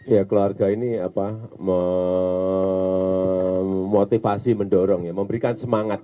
ya keluarga ini motivasi mendorong memberikan semangat